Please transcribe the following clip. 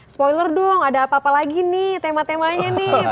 spoiler dong ada apa apa lagi nih tema temanya nih